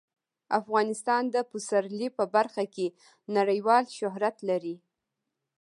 افغانستان د پسرلی په برخه کې نړیوال شهرت لري.